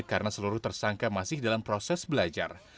karena seluruh tersangka masih dalam proses belajar